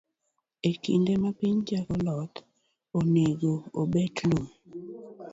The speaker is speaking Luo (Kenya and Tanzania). E kinde ma piny chako lothie, onego obet lum.